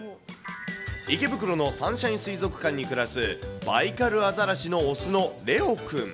池袋のサンシャイン水族館に暮らす、バイカルアザラシの雄のレオくん。